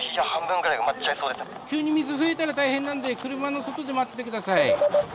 急に水増えたら大変なんで車の外で待ってて下さい。